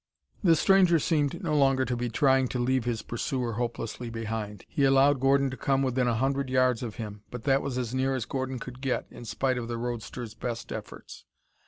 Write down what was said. The stranger seemed no longer to be trying to leave his pursuer hopelessly behind. He allowed Gordon to come within a hundred yards of him. But that was as near as Gordon could get, is spite of the roadster's best efforts.